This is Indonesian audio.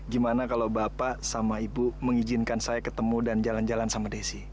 gimana kalau bapak sama ibu mengizinkan saya ketemu dan jalan jalan sama desi